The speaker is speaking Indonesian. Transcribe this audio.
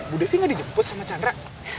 bu devi gak dijemput sama chandra